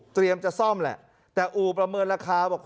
จะซ่อมแหละแต่อู่ประเมินราคาบอก